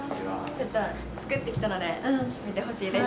ちょっと作ってきたので見てほしいです。